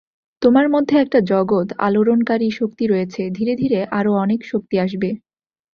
তোমার মধ্যে একটা জগৎ-আলোড়নকারী শক্তি রয়েছে, ধীরে ধীরে আরও অনেক শক্তি আসবে।